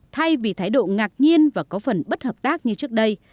thay vì thái độ ngạc nhiên và có phần bất hợp tác như trước đây